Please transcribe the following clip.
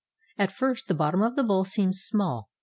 At first the bottom of the bowl seems small.